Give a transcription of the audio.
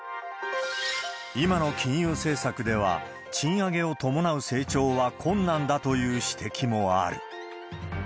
今の金融政策では、賃上げを伴う成長は困難だという指摘もある。